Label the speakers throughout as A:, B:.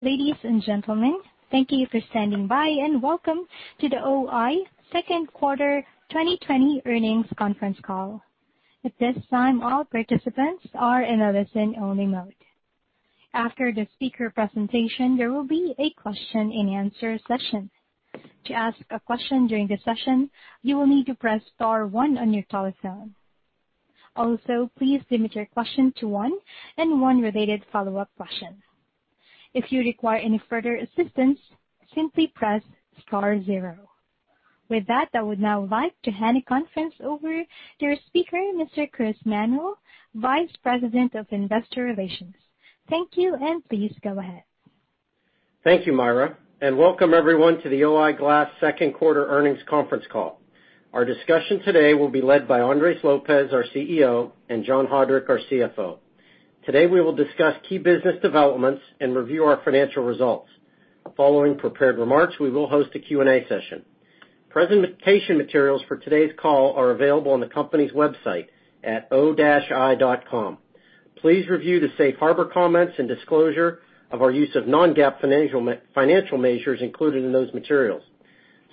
A: Ladies and gentlemen, thank you for standing by and welcome to the O-I second quarter 2020 earnings conference call. At this time, all participants are in a listen-only mode. After the speaker presentation, there will be a question-and-answer session. To ask a question during the session, you will need to press star one on your telephone. Also, please limit your question to one, and one related follow-up question. If you require any further assistance, simply press star zero. With that, I would now like to hand the conference over to your speaker, Mr. Chris Manuel, Vice President of Investor Relations. Thank you, and please go ahead.
B: Thank you, Myra, and welcome everyone to the O-I Glass second quarter earnings conference call. Our discussion today will be led by Andres Lopez, our CEO, and John Haudrich, our CFO. Today, we will discuss key business developments and review our financial results. Following prepared remarks, we will host a Q&A session. Presentation materials for today's call are available on the company's website at o-i.com. Please review the safe harbor comments and disclosure of our use of non-GAAP financial measures included in those materials.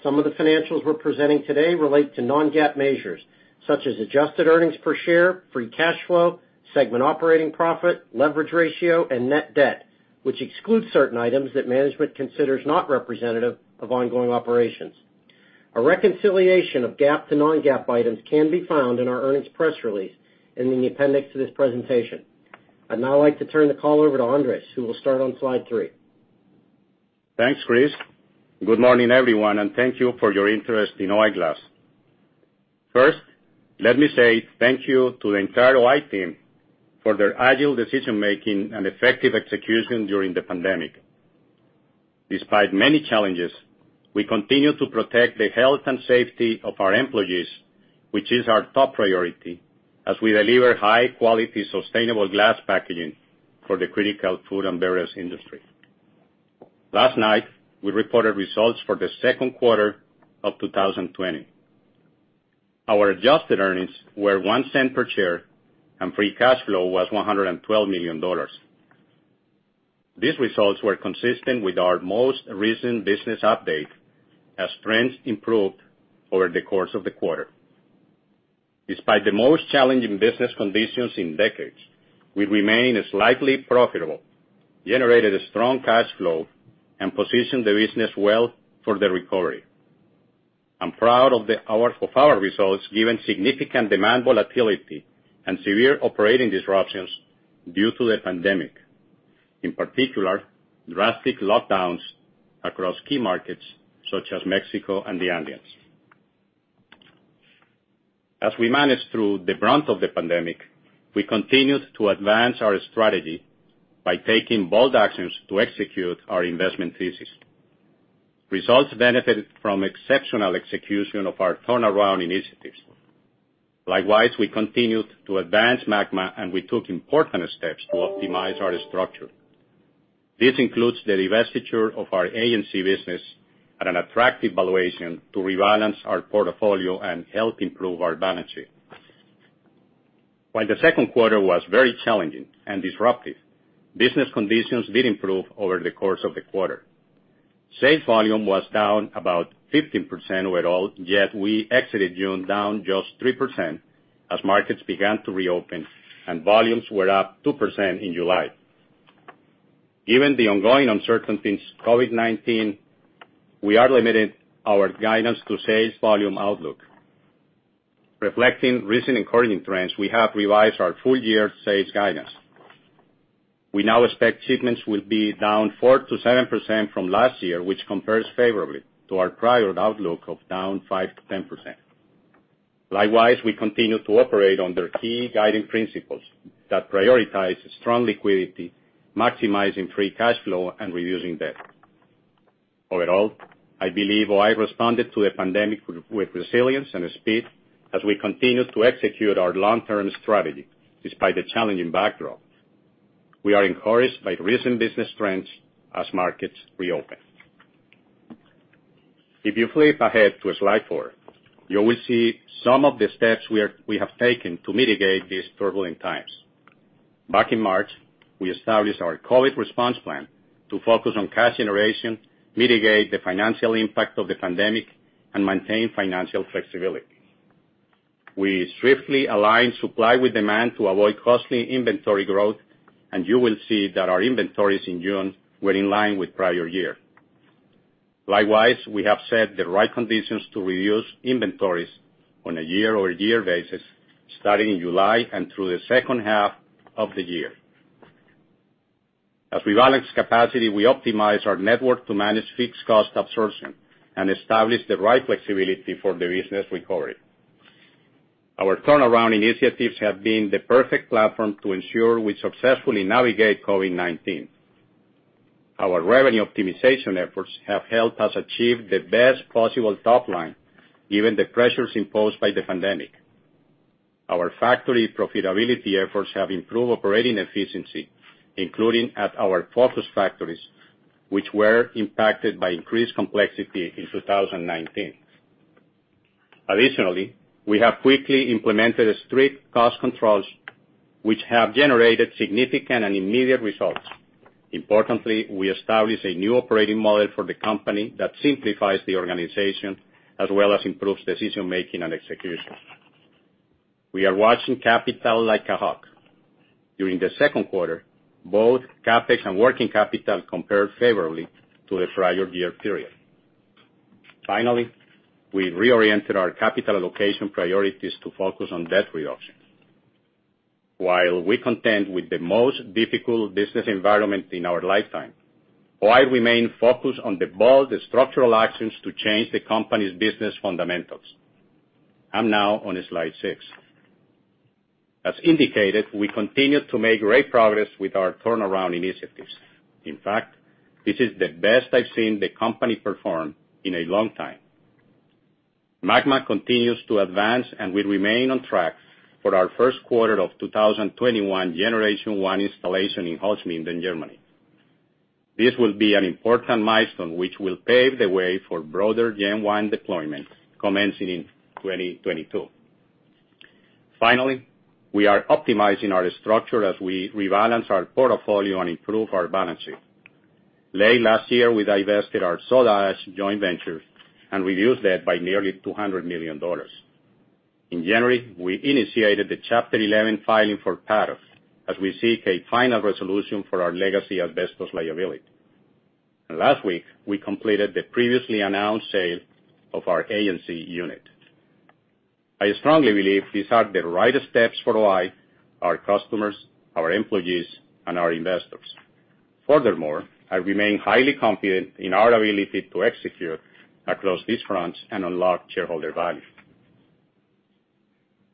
B: Some of the financials we're presenting today relate to non-GAAP measures, such as adjusted earnings per share, free cash flow, segment operating profit, leverage ratio, and net debt, which excludes certain items that management considers not representative of ongoing operations. A reconciliation of GAAP to non-GAAP items can be found in our earnings press release in the appendix to this presentation. I'd now like to turn the call over to Andres, who will start on slide 3.
C: Thanks, Chris. Good morning, everyone, and thank you for your interest in O-I Glass. First, let me say thank you to the entire O-I team for their agile decision-making and effective execution during the pandemic. Despite many challenges, we continue to protect the health and safety of our employees, which is our top priority, as we deliver high-quality, sustainable glass packaging for the critical food and beverage industry. Last night, we reported results for the second quarter of 2020. Our adjusted earnings were $0.01 per share, and free cash flow was $112 million. These results were consistent with our most recent business update as trends improved over the course of the quarter. Despite the most challenging business conditions in decades, we remain slightly profitable, generated a strong cash flow, and positioned the business well for the recovery. I'm proud of our results, given significant demand volatility and severe operating disruptions due to the pandemic, in particular, drastic lockdowns across key markets such as Mexico and the Americas. As we managed through the brunt of the pandemic, we continued to advance our strategy by taking bold actions to execute our investment thesis. Results benefited from exceptional execution of our turnaround initiatives. Likewise, we continued to advance MAGMA, and we took important steps to optimize our structure. This includes the divestiture of our agency business at an attractive valuation to rebalance our portfolio and help improve our balance sheet. While the second quarter was very challenging and disruptive, business conditions did improve over the course of the quarter. Sales volume was down about 15% overall, yet we exited June down just 3% as markets began to reopen, and volumes were up 2% in July. Given the ongoing uncertainties of COVID-19, we are limiting our guidance to sales volume outlook. Reflecting recent encouraging trends, we have revised our full-year sales guidance. We now expect shipments will be down 4%-7% from last year, which compares favorably to our prior outlook of down 5%-10%. Likewise, we continue to operate under key guiding principles that prioritize strong liquidity, maximizing free cash flow, and reducing debt. Overall, I believe O-I responded to the pandemic with resilience and speed as we continued to execute our long-term strategy despite the challenging backdrop. We are encouraged by recent business trends as markets reopen. If you flip ahead to slide 4, you will see some of the steps we have taken to mitigate these turbulent times. Back in March, we established our COVID response plan to focus on cash generation, mitigate the financial impact of the pandemic, and maintain financial flexibility. We swiftly aligned supply with demand to avoid costly inventory growth, and you will see that our inventories in June were in line with prior year. Likewise, we have set the right conditions to reduce inventories on a year-over-year basis starting in July and through the second half of the year. As we balance capacity, we optimize our network to manage fixed cost absorption and establish the right flexibility for the business recovery. Our turnaround initiatives have been the perfect platform to ensure we successfully navigate COVID-19. Our revenue optimization efforts have helped us achieve the best possible top line, given the pressures imposed by the pandemic. Our factory profitability efforts have improved operating efficiency, including at our focus factories, which were impacted by increased complexity in 2019. Additionally, we have quickly implemented strict cost controls, which have generated significant and immediate results. Importantly, we established a new operating model for the company that simplifies the organization, as well as improves decision-making and execution. We are watching capital like a hawk. During the second quarter, both CapEx and working capital compared favorably to the prior year period. Finally, we reoriented our capital allocation priorities to focus on debt reduction. While we contend with the most difficult business environment in our lifetime, O-I remain focused on the bold structural actions to change the company's business fundamentals. I'm now on slide 6. As indicated, we continue to make great progress with our turnaround initiatives. In fact, this is the best I've seen the company perform in a long time. MAGMA continues to advance. We remain on track for our first quarter of 2021 Generation 1 installation in Holzminden in Germany. This will be an important milestone which will pave the way for broader Gen 1 deployment commencing in 2022. We are optimizing our structure as we rebalance our portfolio and improve our balance sheet. Late last year, we divested our soda ash joint venture and reduced debt by nearly $200 million. In January, we initiated the Chapter 11 filing for Paddock as we seek a final resolution for our legacy asbestos liability. Last week, we completed the previously announced sale of our ANZ unit. I strongly believe these are the right steps for O-I, our customers, our employees, and our investors. I remain highly confident in our ability to execute across these fronts and unlock shareholder value.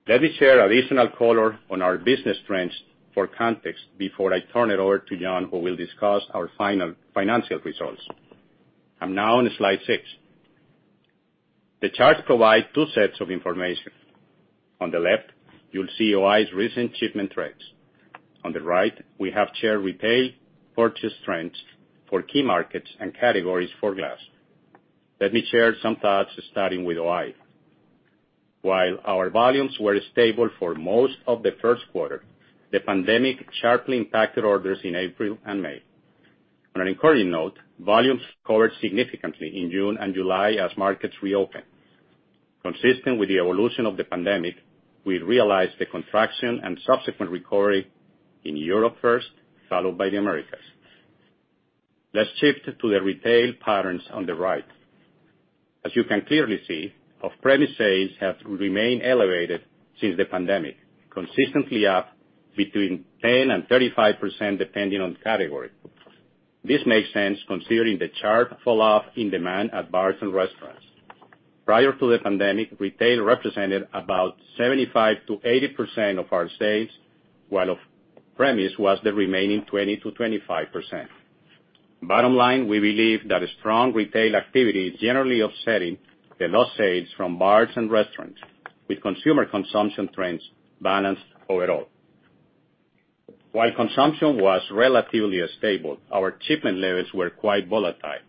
C: Let me share additional color on our business trends for context before I turn it over to John, who will discuss our financial results. I'm now on slide 6. The chart provides two sets of information. On the left, you'll see O-I's recent shipment trends. On the right, we have shared retail purchase trends for key markets and categories for glass. Let me share some thoughts, starting with O-I. While our volumes were stable for most of the first quarter, the pandemic sharply impacted orders in April and May. On an encouraging note, volumes recovered significantly in June and July as markets reopened. Consistent with the evolution of the pandemic, we realized the contraction and subsequent recovery in Europe first, followed by the Americas. Let's shift to the retail patterns on the right. As you can clearly see, off-premise sales have remained elevated since the pandemic, consistently up between 10%-35%, depending on category. This makes sense considering the sharp falloff in demand at bars and restaurants. Prior to the pandemic, retail represented about 75%-80% of our sales, while off-premise was the remaining 20%-25%. Bottom line, we believe that strong retail activity is generally offsetting the lost sales from bars and restaurants, with consumer consumption trends balanced overall. While consumption was relatively stable, our shipment levels were quite volatile.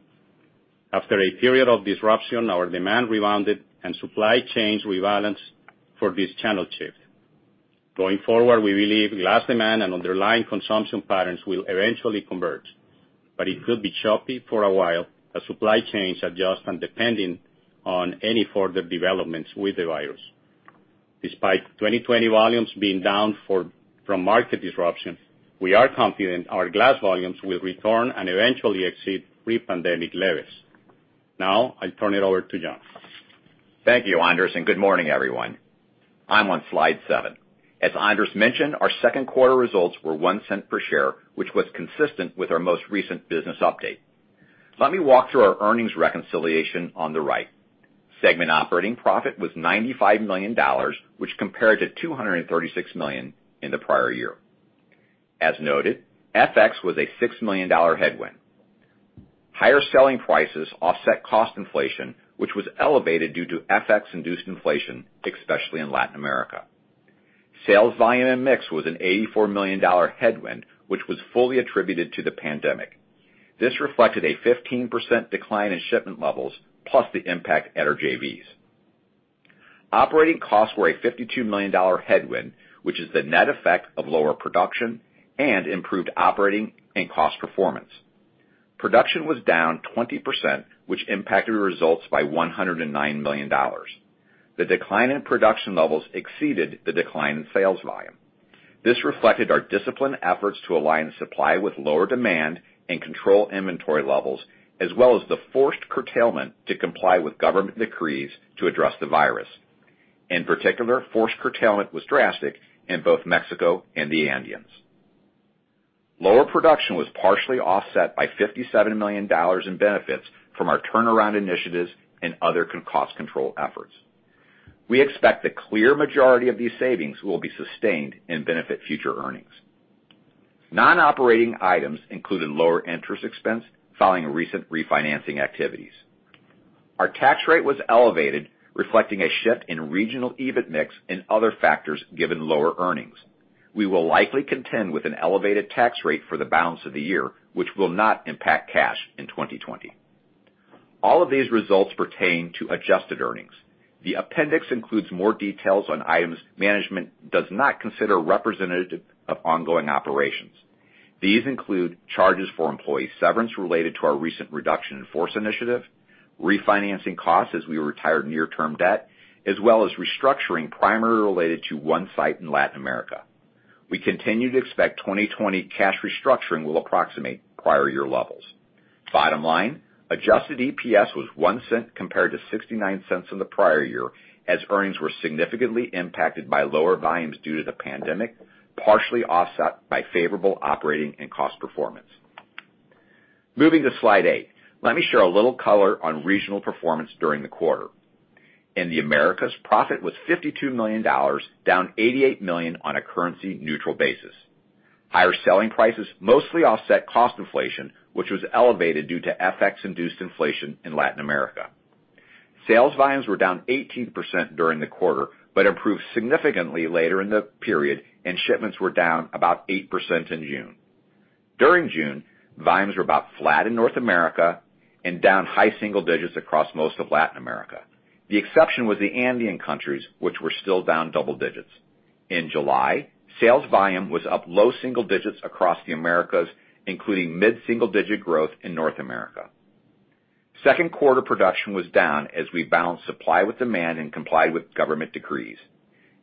C: After a period of disruption, our demand rebounded and supply chains rebalanced for this channel shift. Going forward, we believe glass demand and underlying consumption patterns will eventually converge, but it could be choppy for a while as supply chains adjust and depending on any further developments with the virus. Despite 2020 volumes being down from market disruption, we are confident our glass volumes will return and eventually exceed pre-pandemic levels. Now, I turn it over to John.
D: Thank you, Andres, and good morning, everyone. I'm on slide 7. As Andres mentioned, our second quarter results were $0.01 per share, which was consistent with our most recent business update. Let me walk through our earnings reconciliation on the right. Segment operating profit was $95 million, which compared to $236 million in the prior year. As noted, FX was a $6 million headwind. Higher selling prices offset cost inflation, which was elevated due to FX-induced inflation, especially in Latin America. Sales volume and mix was an $84 million headwind, which was fully attributed to the pandemic. This reflected a 15% decline in shipment levels, plus the impact at our JVs. Operating costs were a $52 million headwind, which is the net effect of lower production and improved operating and cost performance. Production was down 20%, which impacted results by $109 million. The decline in production levels exceeded the decline in sales volume. This reflected our disciplined efforts to align supply with lower demand and control inventory levels, as well as the forced curtailment to comply with government decrees to address the virus. In particular, forced curtailment was drastic in both Mexico and the Andeans. Lower production was partially offset by $57 million in benefits from our turnaround initiatives and other cost control efforts. We expect the clear majority of these savings will be sustained and benefit future earnings. Non-operating items included lower interest expense following recent refinancing activities. Our tax rate was elevated, reflecting a shift in regional EBIT mix and other factors, given lower earnings. We will likely contend with an elevated tax rate for the balance of the year, which will not impact cash in 2020. All of these results pertain to adjusted earnings. The appendix includes more details on items management does not consider representative of ongoing operations. These include charges for employee severance related to our recent reduction in force initiative, refinancing costs as we retired near-term debt, as well as restructuring primarily related to one site in Latin America. We continue to expect 2020 cash restructuring will approximate prior year levels. Bottom line, adjusted EPS was $0.01 compared to $0.69 in the prior year as earnings were significantly impacted by lower volumes due to the pandemic, partially offset by favorable operating and cost performance. Moving to slide 8. Let me share a little color on regional performance during the quarter. In the Americas, profit was $52 million, down $88 million on a currency-neutral basis. Higher selling prices mostly offset cost inflation, which was elevated due to FX-induced inflation in Latin America. Sales volumes were down 18% during the quarter but improved significantly later in the period. Shipments were down about 8% in June. During June, volumes were about flat in North America and down high single digits across most of Latin America. The exception was the Andean countries, which were still down double digits. In July, sales volume was up low single digits across the Americas, including mid-single digit growth in North America. Second quarter production was down as we balanced supply with demand and complied with government decrees.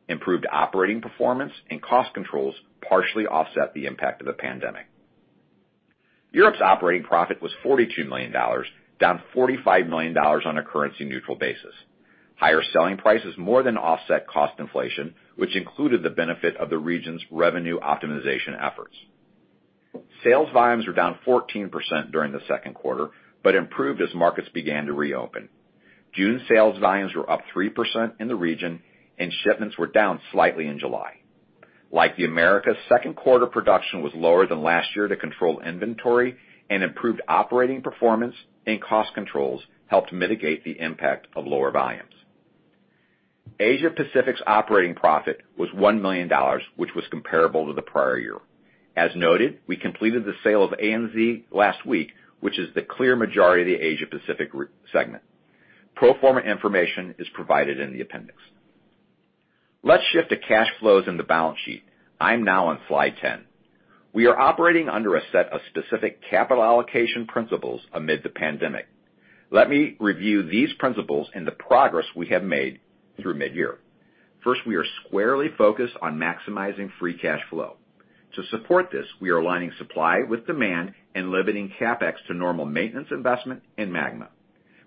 D: Improved operating performance and cost controls partially offset the impact of the pandemic. Europe's operating profit was $42 million, down $45 million on a currency-neutral basis. Higher selling prices more than offset cost inflation, which included the benefit of the region's revenue optimization efforts. Sales volumes were down 14% during the second quarter, but improved as markets began to reopen. June sales volumes were up 3% in the region and shipments were down slightly in July. Like the Americas, second quarter production was lower than last year to control inventory, and improved operating performance and cost controls helped mitigate the impact of lower volumes. Asia Pacific's operating profit was $1 million, which was comparable to the prior year. As noted, we completed the sale of ANZ last week, which is the clear majority of the Asia Pacific segment. Pro forma information is provided in the appendix. Let's shift to cash flows in the balance sheet. I'm now on slide 10. We are operating under a set of specific capital allocation principles amid the pandemic. Let me review these principles and the progress we have made through mid-year. First, we are squarely focused on maximizing free cash flow. To support this, we are aligning supply with demand and limiting CapEx to normal maintenance investment in MAGMA.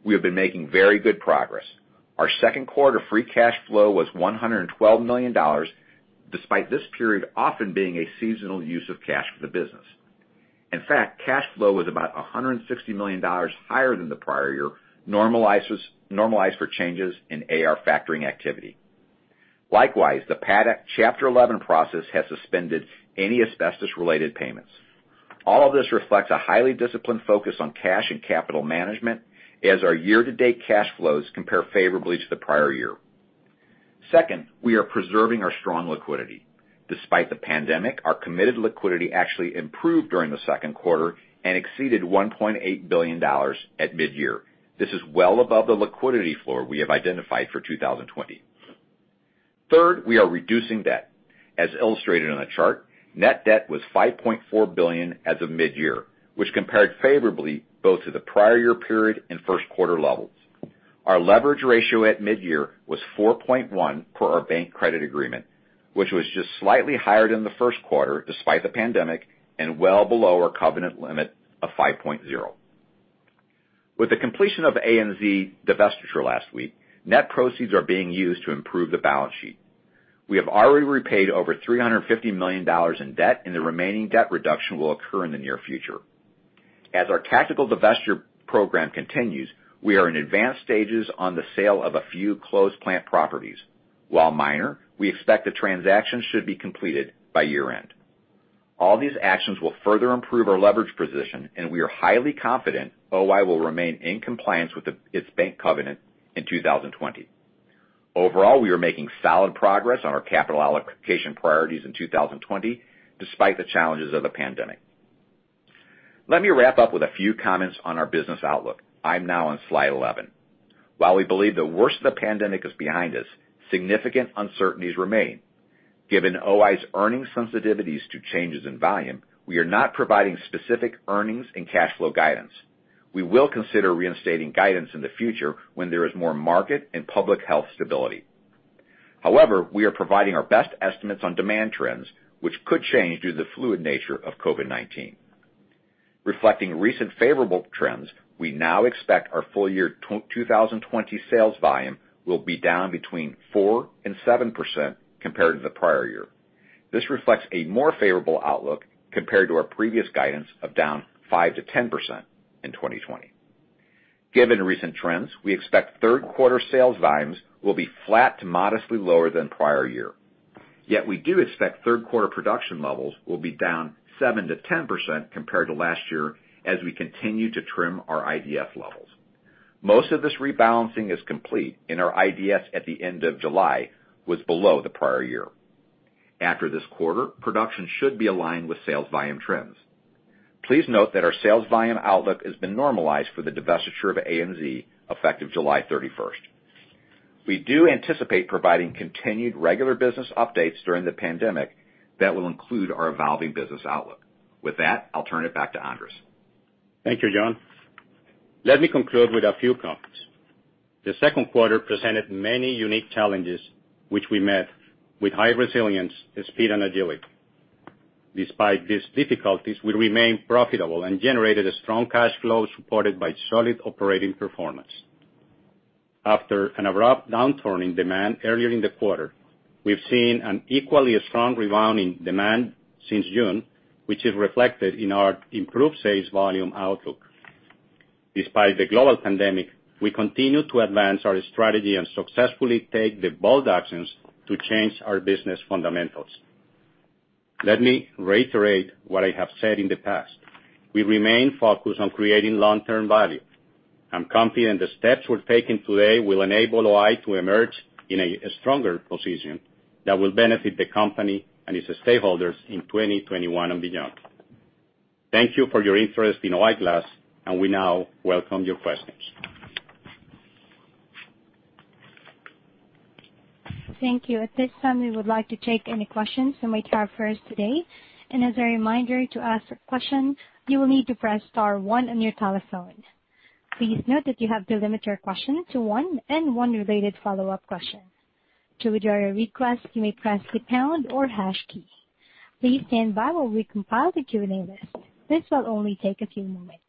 D: We have been making very good progress. Our second quarter free cash flow was $112 million, despite this period often being a seasonal use of cash for the business. In fact, cash flow was about $160 million higher than the prior year, normalized for changes in AR factoring activity. Likewise, the Paddock Chapter 11 process has suspended any asbestos-related payments. All of this reflects a highly disciplined focus on cash and capital management as our year-to-date cash flows compare favorably to the prior year. Second, we are preserving our strong liquidity. Despite the pandemic, our committed liquidity actually improved during the second quarter and exceeded $1.8 billion at mid-year. This is well above the liquidity floor we have identified for 2020. Third, we are reducing debt. As illustrated on the chart, net debt was $5.4 billion as of mid-year, which compared favorably both to the prior year period and first quarter levels. Our leverage ratio at mid-year was 4.1 for our bank credit agreement, which was just slightly higher than the first quarter despite the pandemic and well below our covenant limit of 5.0. With the completion of the ANZ divestiture last week, net proceeds are being used to improve the balance sheet. We have already repaid over $350 million in debt, and the remaining debt reduction will occur in the near future. As our tactical divestiture program continues, we are in advanced stages on the sale of a few closed plant properties. While minor, we expect the transaction should be completed by year-end. All these actions will further improve our leverage position, and we are highly confident O-I will remain in compliance with its bank covenant in 2020. Overall, we are making solid progress on our capital allocation priorities in 2020 despite the challenges of the pandemic. Let me wrap up with a few comments on our business outlook. I'm now on slide 11. While we believe the worst of the pandemic is behind us, significant uncertainties remain. Given O-I's earnings sensitivities to changes in volume, we are not providing specific earnings and cash flow guidance. We will consider reinstating guidance in the future when there is more market and public health stability. However, we are providing our best estimates on demand trends, which could change due to the fluid nature of COVID-19. Reflecting recent favorable trends, we now expect our full-year 2020 sales volume will be down between 4% and 7% compared to the prior year. This reflects a more favorable outlook compared to our previous guidance of down 5%-10% in 2020. Given recent trends, we expect third quarter sales volumes will be flat to modestly lower than prior year. Yet we do expect third quarter production levels will be down 7%-10% compared to last year as we continue to trim our IDS levels. Most of this rebalancing is complete, and our IDS at the end of July was below the prior year. After this quarter, production should be aligned with sales volume trends. Please note that our sales volume outlook has been normalized for the divestiture of ANZ effective July 31st. We do anticipate providing continued regular business updates during the pandemic that will include our evolving business outlook. With that, I'll turn it back to Andres.
C: Thank you, John. Let me conclude with a few comments. The second quarter presented many unique challenges, which we met with high resilience, speed and agility. Despite these difficulties, we remain profitable and generated a strong cash flow supported by solid operating performance. After an abrupt downturn in demand earlier in the quarter, we've seen an equally strong rebound in demand since June, which is reflected in our improved sales volume outlook. Despite the global pandemic, we continue to advance our strategy and successfully take the bold actions to change our business fundamentals. Let me reiterate what I have said in the past. We remain focused on creating long-term value. I'm confident the steps we're taking today will enable O-I to emerge in a stronger position that will benefit the company and its stakeholders in 2021 and beyond. Thank you for your interest in O-I Glass, and we now welcome your questions.
A: Thank you. At this time, we would like to take any questions from the analysts today. And as a reminder, to ask a question, you will need to press star one on your telephone. Please note that you have to limit your question to one and one related follow-up question. To withdraw your request, you may press the pound or hash key. Please stand by while we compile the Q&A list. This will only take a few moments.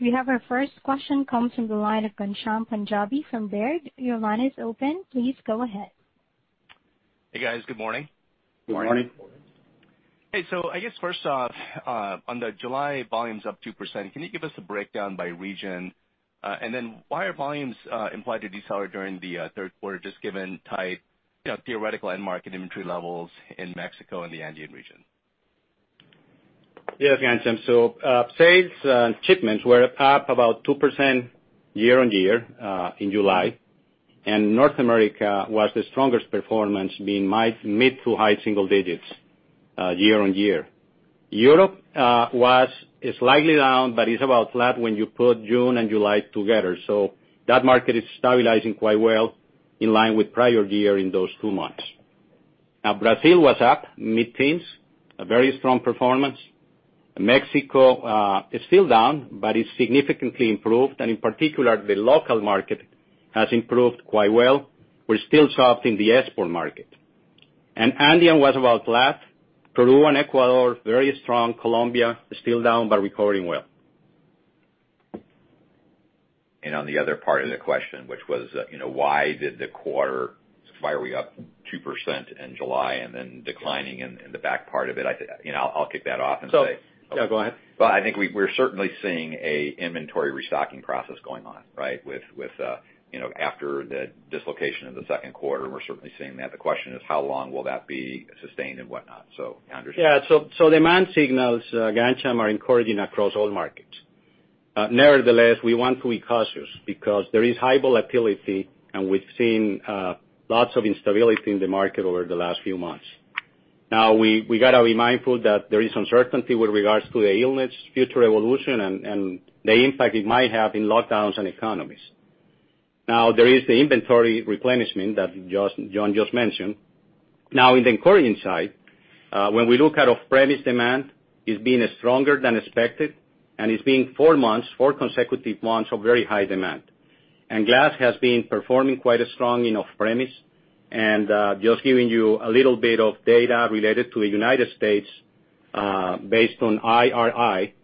A: We have our first question coming from the line of Ghansham Panjabi from Baird. Your line is open. Please go ahead.
E: Hey, guys. Good morning.
C: Good morning.
D: Good morning.
E: Hey. I guess first off, on the July volumes up 2%, can you give us a breakdown by region? Why are volumes implied to decelerate during the third quarter, just given tight theoretical end market inventory levels in Mexico and the Andean region?
C: Yes, Ghansham. Sales shipments were up about 2% year-on-year, in July, and North America was the strongest performance, being mid-to-high single digits year-on-year. Europe was slightly down, but is about flat when you put June and July together. That market is stabilizing quite well in line with prior year in those two months. Brazil was up mid-teens, a very strong performance. Mexico is still down, but it's significantly improved, and in particular, the local market has improved quite well. We're still soft in the export market. Andean was about flat. Peru and Ecuador, very strong. Colombia is still down but recovering well.
D: On the other part of the question, which was why did the quarter, why are we up 2% in July and then declining in the back part of it? I'll kick that off and say.
C: Yeah, go ahead.
D: I think we're certainly seeing a inventory restocking process going on, right? After the dislocation of the second quarter, we're certainly seeing that. The question is, how long will that be sustained and whatnot. Andres.
C: Demand signals, Ghansham, are encouraging across all markets. Nevertheless, we want to be cautious because there is high volatility, and we've seen lots of instability in the market over the last few months. We got to be mindful that there is uncertainty with regards to the illness, future evolution, and the impact it might have in lockdowns and economies. There is the inventory replenishment that John just mentioned. In the inquiry side, when we look at off-premise demand, it's been stronger than expected, and it's been four months, four consecutive months of very high demand. Glass has been performing quite strong in off-premise. Just giving you a little bit of data related to the United States, based on IRI,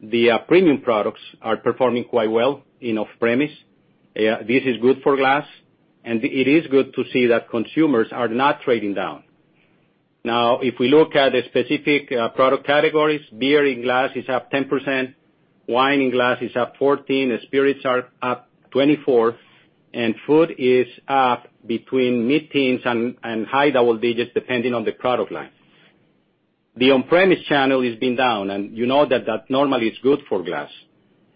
C: the premium products are performing quite well in off-premise. This is good for glass. It is good to see that consumers are not trading down. If we look at the specific product categories, beer in glass is up 10%, wine in glass is up 14%, spirits are up 24%, and food is up between mid-teens and high double digits, depending on the product line. The on-premise channel has been down. You know that that normally is good for glass.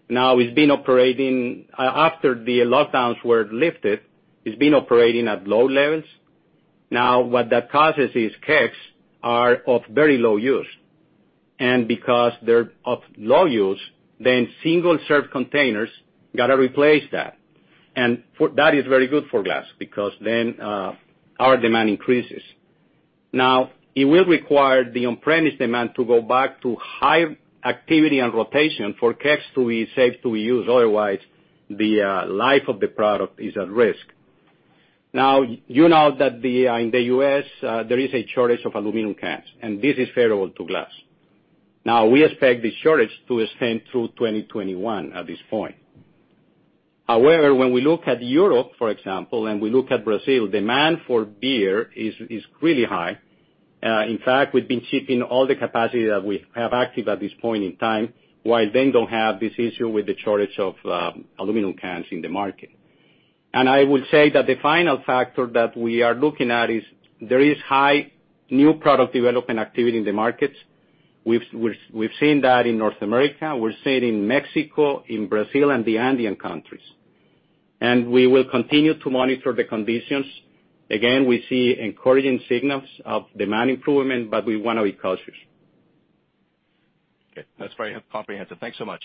C: After the lockdowns were lifted, it's been operating at low levels. What that causes is kegs are of very low use. Because they're of low use, single-serve containers got to replace that. That is very good for glass because our demand increases. It will require the on-premise demand to go back to high activity and rotation for kegs to be safe to use. Otherwise, the life of the product is at risk. You know that in the U.S., there is a shortage of aluminum cans, and this is favorable to glass. We expect the shortage to extend through 2021 at this point. However, when we look at Europe, for example, and we look at Brazil, demand for beer is really high. In fact, we've been shipping all the capacity that we have active at this point in time, while they don't have this issue with the shortage of aluminum cans in the market. I would say that the final factor that we are looking at is there is high new product development activity in the markets. We've seen that in North America. We're seeing it in Mexico, in Brazil, and the Andean countries. We will continue to monitor the conditions. We see encouraging signals of demand improvement, but we want to be cautious.
E: Okay, that's very comprehensive. Thanks so much.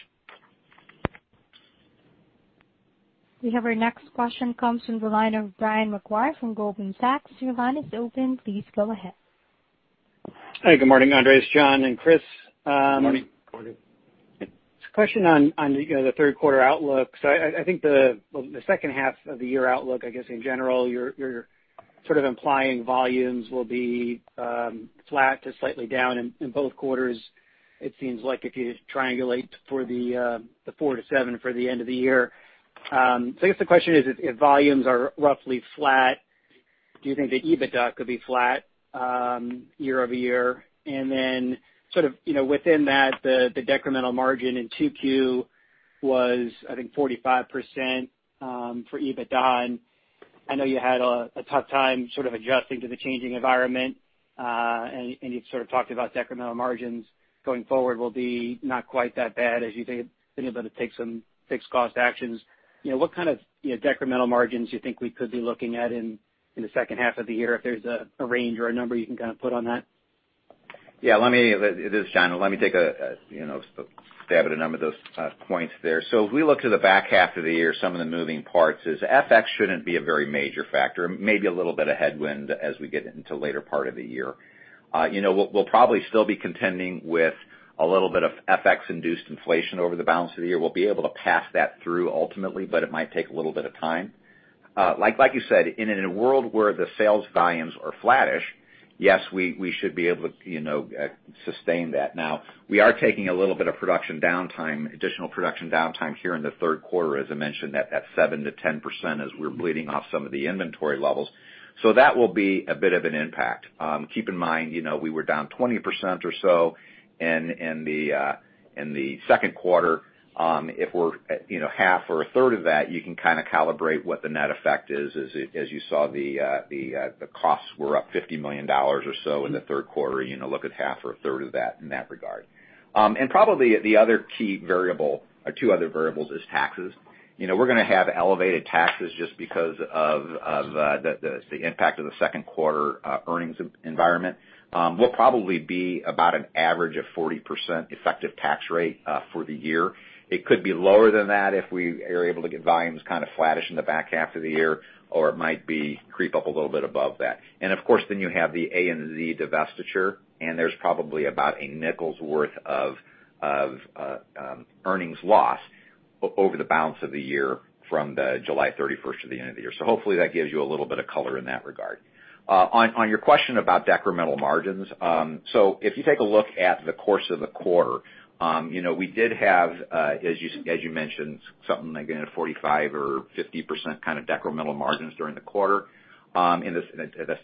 A: We have our next question comes from the line of Brian Maguire from Goldman Sachs. Your line is open. Please go ahead.
F: Hi, good morning, Andres, John, and Chris.
C: Good morning. Good morning.
F: Just a question on the third quarter outlook. I think the second half of the year outlook, I guess in general, you're sort of implying volumes will be flat to slightly down in both quarters. It seems like if you triangulate for the four to seven for the end of the year. I guess the question is, if volumes are roughly flat, do you think the EBITDA could be flat year-over-year? Sort of within that, the decremental margin in 2Q was, I think, 45% for EBITDA. I know you had a tough time sort of adjusting to the changing environment, and you've sort of talked about decremental margins going forward will be not quite that bad as you've been able to take some fixed cost actions. What kind of decremental margins you think we could be looking at in the second half of the year, if there's a range or a number you can kind of put on that?
D: Yeah, it is John. Let me take a stab at a number of those points there. If we look to the back half of the year, some of the moving parts is FX shouldn't be a very major factor, maybe a little bit of headwind as we get into later part of the year. We'll probably still be contending with a little bit of FX induced inflation over the balance of the year. We'll be able to pass that through ultimately, but it might take a little bit of time. Like you said, in a world where the sales volumes are flattish, yes, we should be able to sustain that. We are taking a little bit of production downtime, additional production downtime here in the third quarter, as I mentioned, that 7% to 10% as we're bleeding off some of the inventory levels. That will be a bit of an impact. Keep in mind, we were down 20% or so in the second quarter. If we're half or a third of that, you can kind of calibrate what the net effect is, as you saw the costs were up $50 million or so in the third quarter, look at half or a third of that in that regard. Probably the other key variable or two other variables is taxes. We're going to have elevated taxes just because of the impact of the second quarter earnings environment. We'll probably be about an average of 40% effective tax rate for the year. It could be lower than that if we are able to get volumes kind of flattish in the back half of the year, or it might creep up a little bit above that. Of course, then you have the ANZ divestiture, and there's probably about a nickel's worth of earnings lost over the balance of the year from the July 31st to the end of the year. Hopefully that gives you a little bit of color in that regard. On your question about decremental margins, if you take a look at the course of the quarter, we did have, as you mentioned, something like 45% or 50% kind of decremental margins during the quarter. That's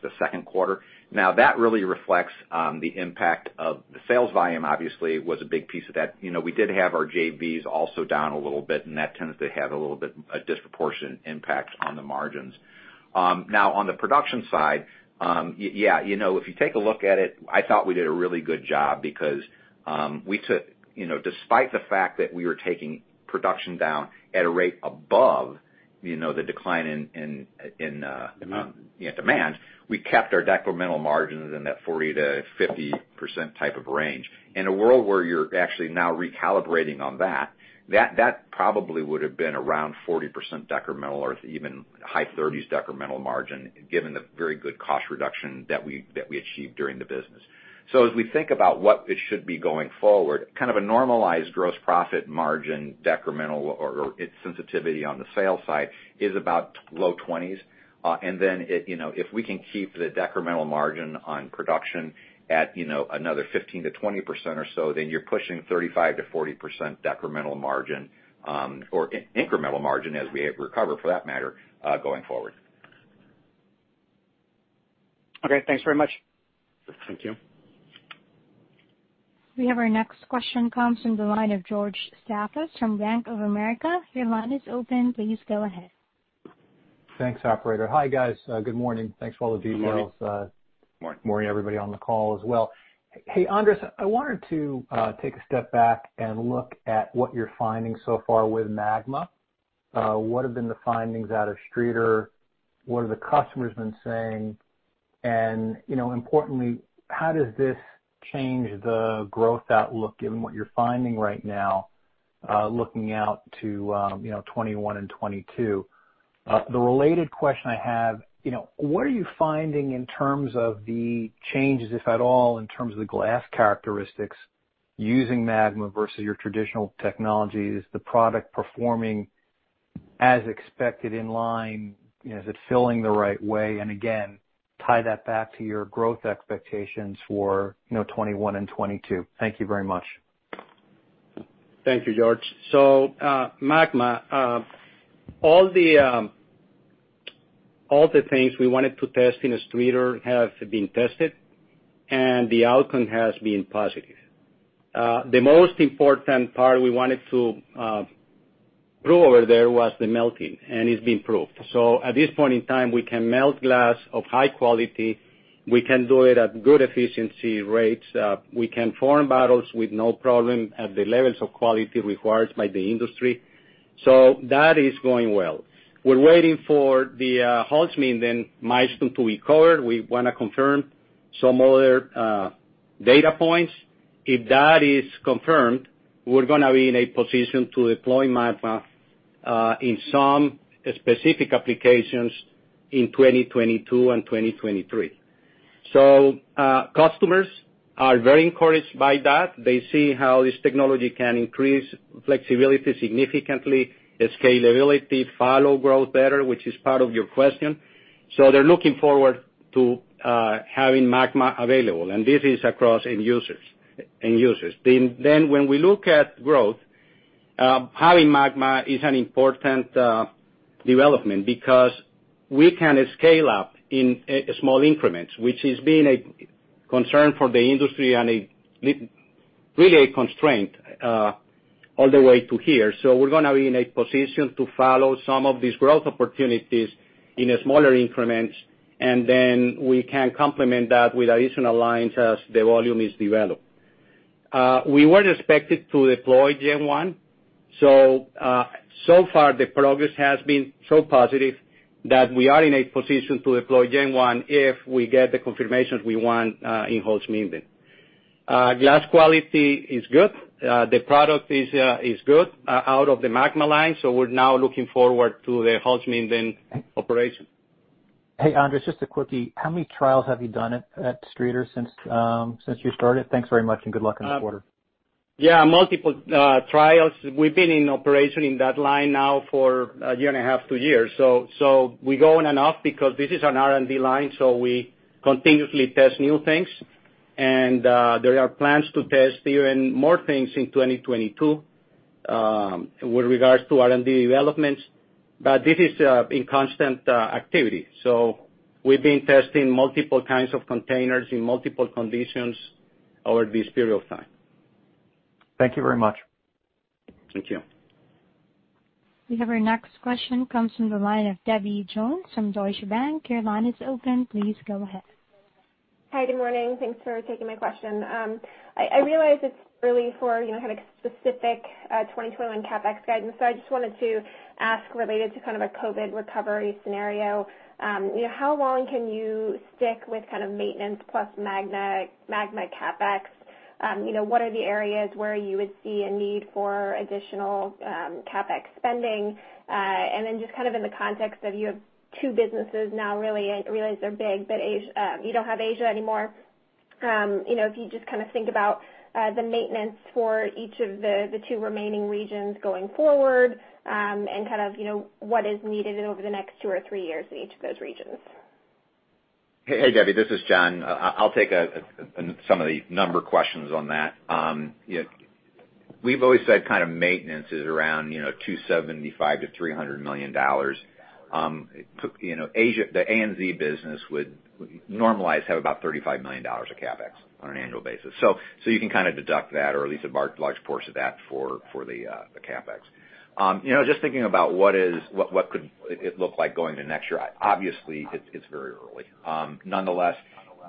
D: the second quarter. That really reflects the impact of the sales volume obviously was a big piece of that. We did have our JVs also down a little bit, and that tends to have a little bit of disproportion impact on the margins. Now on the production side, yeah if you take a look at it, I thought we did a really good job because despite the fact that we were taking production down at a rate above the decline in-
C: Demand
D: Demand, we kept our decremental margins in that 40%-50% type of range. In a world where you're actually now recalibrating on that probably would have been around 40% decremental or even high 30s decremental margin, given the very good cost reduction that we achieved during the business. As we think about what it should be going forward, kind of a normalized gross profit margin, decremental or its sensitivity on the sales side is about low 20s. If we can keep the decremental margin on production at another 15%-20% or so, then you're pushing 35%-40% decremental margin or incremental margin as we recover for that matter going forward.
F: Okay, thanks very much.
D: Thank you.
A: We have our next question comes from the line of George Staphos from Bank of America. Your line is open. Please go ahead.
G: Thanks, operator. Hi guys, good morning. Thanks for all the details.
D: Good morning.
G: Morning everybody on the call as well. Hey Andres, I wanted to take a step back and look at what you're finding so far with MAGMA. What have been the findings out of Streator? What have the customers been saying? Importantly, how does this change the growth outlook given what you're finding right now looking out to 2021 and 2022? The related question I have, what are you finding in terms of the changes, if at all, in terms of the glass characteristics using MAGMA versus your traditional technologies? Is the product performing as expected in line? Is it filling the right way? Again, tie that back to your growth expectations for 2021 and 2022. Thank you very much.
C: Thank you, George. MAGMA all the things we wanted to test in Streator have been tested, and the outcome has been positive. The most important part we wanted to prove over there was the melting, and it's been proved. At this point in time, we can melt glass of high quality. We can do it at good efficiency rates. We can form bottles with no problem at the levels of quality required by the industry. That is going well. We're waiting for the Holzminden milestone to be covered. We want to confirm some other data points. If that is confirmed, we're going to be in a position to deploy MAGMA in some specific applications in 2022 and 2023. Customers are very encouraged by that. They see how this technology can increase flexibility significantly, scalability, follow growth better, which is part of your question. They're looking forward to having MAGMA available, and this is across end users. When we look at growth, having MAGMA is an important development because we can scale up in small increments, which has been a concern for the industry and really a constraint all the way to here. We're going to be in a position to follow some of these growth opportunities in smaller increments, and then we can complement that with additional lines as the volume is developed. We were expected to deploy Gen 1. Far the progress has been so positive that we are in a position to deploy Gen 1 if we get the confirmations we want in Holzminden. Glass quality is good. The product is good out of the MAGMA line, so we're now looking forward to the Holzminden operation.
G: Hey, Andres, just a quickie. How many trials have you done at Streator since you started? Thanks very much and good luck on the quarter.
C: Yeah, multiple trials. We've been in operation in that line now for 1.5 year. We go in and out because this is an R&D line, so we continuously test new things. There are plans to test even more things in 2022 with regards to R&D developments. This is in constant activity. We've been testing multiple kinds of containers in multiple conditions over this period of time.
G: Thank you very much.
C: Thank you.
A: We have our next question comes from the line of Debbie Jones from Deutsche Bank. Your line is open. Please go ahead.
H: Hi. Good morning. Thanks for taking my question. I realize it's early for having specific 2021 CapEx guidance, so I just wanted to ask, related to kind of a COVID recovery scenario, how long can you stick with kind of maintenance plus MAGMA CapEx? What are the areas where you would see a need for additional CapEx spending? Then just kind of in the context of you have two businesses now really, I realize they're big, but you don't have Asia anymore. If you just kind of think about the maintenance for each of the two remaining regions going forward, and kind of what is needed over the next two years or three years in each of those regions.
D: Hey, Debbie, this is John. I'll take some of the number questions on that. We've always said kind of maintenance is around $275 million-$300 million. The ANZ business would normalized have about $35 million of CapEx on an annual basis. You can kind of deduct that or at least a large portion of that for the CapEx. Just thinking about what could it look like going to next year, obviously, it's very early. Nonetheless,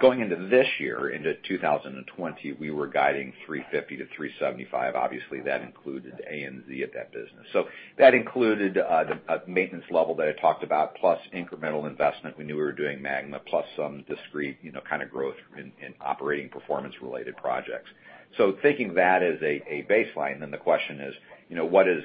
D: going into this year, into 2020, we were guiding $350 million-$375 million. Obviously, that included ANZ of that business. That included the maintenance level that I talked about, plus incremental investment. We knew we were doing MAGMA, plus some discrete kind of growth in operating performance-related projects. Thinking of that as a baseline, the question is, what is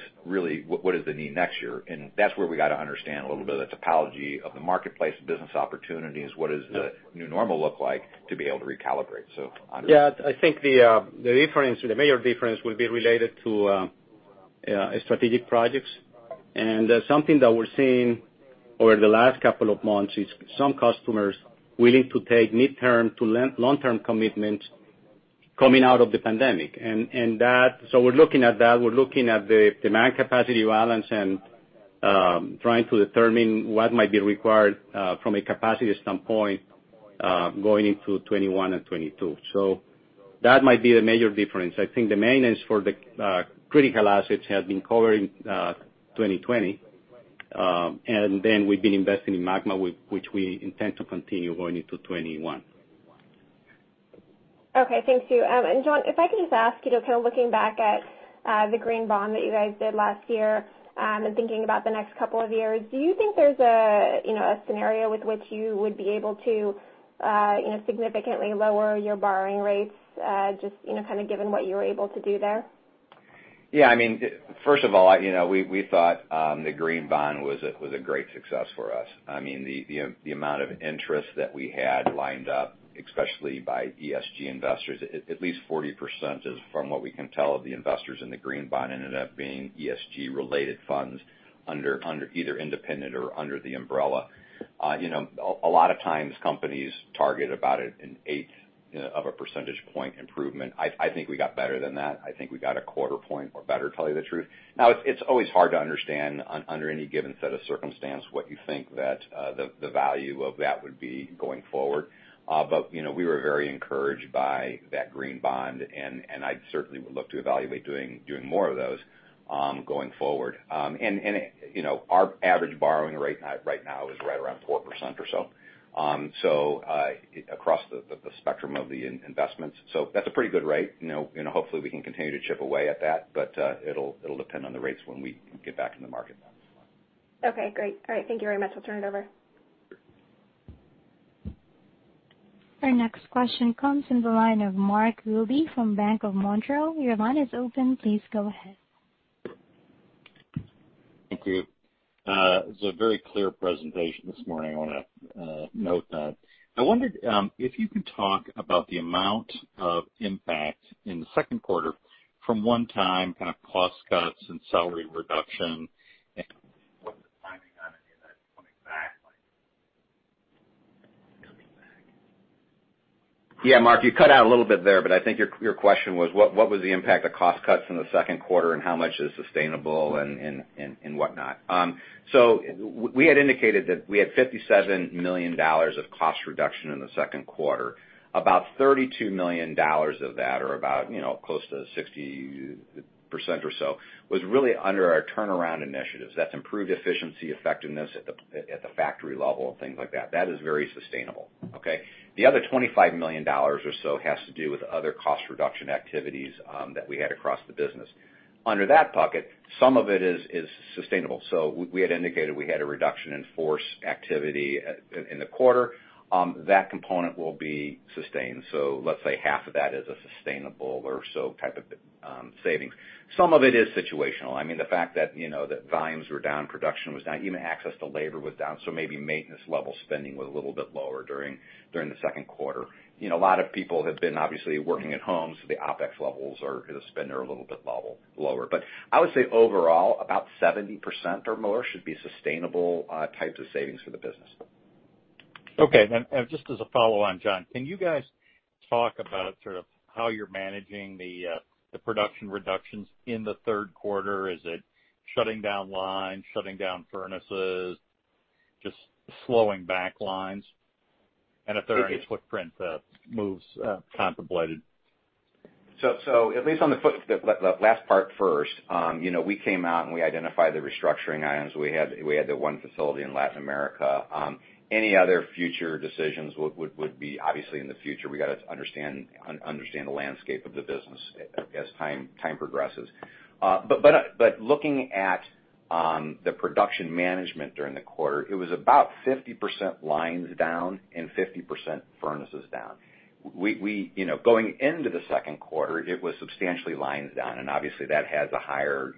D: the need next year? That's where we got to understand a little bit of the topology of the marketplace, the business opportunities. What does the new normal look like to be able to recalibrate? Andres.
C: Yeah, I think the major difference will be related to strategic projects. Something that we're seeing over the last couple of months is some customers willing to take midterm to long-term commitments coming out of the pandemic. We're looking at that. We're looking at the demand capacity balance and trying to determine what might be required from a capacity standpoint going into 2021 and 2022. That might be the major difference. I think the maintenance for the critical assets has been covered in 2020. We've been investing in MAGMA, which we intend to continue going into 2021.
H: Okay. Thanks, two. John, if I could just ask you, kind of looking back at the Green Bond that you guys did last year, and thinking about the next couple of years, do you think there's a scenario with which you would be able to significantly lower your borrowing rates, just kind of given what you were able to do there?
D: First of all, we thought the Green Bond was a great success for us. The amount of interest that we had lined up, especially by ESG investors, at least 40% is from what we can tell of the investors in the Green Bond ended up being ESG-related funds under either independent or under the umbrella. A lot of times companies target about an eighth of a percentage point improvement. I think we got better than that. I think we got a quarter point or better, tell you the truth. It's always hard to understand under any given set of circumstance what you think that the value of that would be going forward. We were very encouraged by that Green Bond, and I certainly would look to evaluate doing more of those going forward. Our average borrowing rate right now is right around 4% or so across the spectrum of the investments. That's a pretty good rate, and hopefully we can continue to chip away at that, but it'll depend on the rates when we get back in the market next month.
H: Okay, great. All right. Thank you very much. I'll turn it over.
A: Our next question comes in the line of Mark Wilde from BMO Bank of Montreal. Your line is open. Please go ahead.
I: Thank you. It was a very clear presentation this morning. I want to note that. I wondered if you can talk about the amount of impact in the second quarter from one time kind of cost cuts and salary reduction, and what the timing on any of that is coming back like?
D: Mark, you cut out a little bit there, I think your question was, what was the impact of cost cuts in the second quarter, and how much is sustainable and whatnot. We had indicated that we had $57 million of cost reduction in the second quarter. About $32 million of that, or about close to 60% or so, was really under our turnaround initiatives. That's improved efficiency, effectiveness at the factory level and things like that. That is very sustainable. Okay. The other $25 million or so has to do with other cost reduction activities that we had across the business. Under that bucket, some of it is sustainable. We had indicated we had a reduction in force activity in the quarter. That component will be sustained. Let's say half of that is a sustainable or so type of savings. Some of it is situational. I mean, the fact that volumes were down, production was down, even access to labor was down, so maybe maintenance level spending was a little bit lower during the second quarter. A lot of people have been obviously working at home, the OPEX levels or the spend are a little bit lower. I would say overall, about 70% or more should be sustainable types of savings for the business.
I: Okay. Just as a follow-on, John, can you guys talk about sort of how you're managing the production reductions in the third quarter? Is it shutting down lines, shutting down furnaces, just slowing back lines? If there are any footprint moves contemplated?
D: At least on the last part first. We came out and we identified the restructuring items. We had the one facility in Latin America. Any other future decisions would be obviously in the future. We got to understand the landscape of the business as time progresses. Looking at the production management during the quarter, it was about 50% lines down and 50% furnaces down. Going into the second quarter, it was substantially lines down, and obviously, that has a higher